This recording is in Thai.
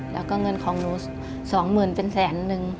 แล้วก็เงินของหนู๒หมื่นเป็นแสนนึง